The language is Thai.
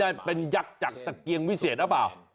มันเป็นยักษ์จากตะเกียงวิเศษหรือเปล่า